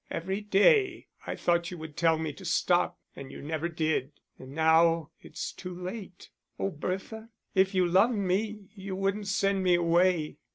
"Every day I thought you would tell me to stop and you never did and now it's too late. Oh, Bertha, if you loved me you wouldn't send me away."